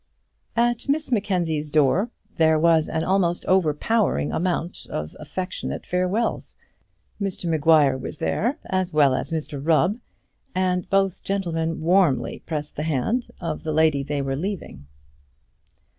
At Miss Mackenzie's door there was an almost overpowering amount of affectionate farewells. Mr Maguire was there as well as Mr Rubb, and both gentlemen warmly pressed the hand of the lady they were leaving.